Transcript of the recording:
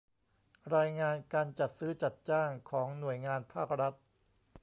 รายงานการจัดซื้อจัดจ้างของหน่วยงานภาครัฐ